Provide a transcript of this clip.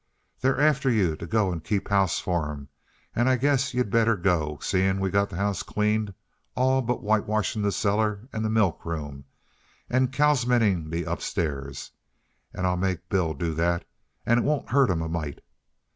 "They're after yuh t' go an' keep house for 'em, an' I guess yuh better go, seein' we got the house cleaned all but whitewashin' the cellar an' milk room an' kals'minin' the upstairs, an' I'll make Bill do that, an' 't won't hurt him a mite.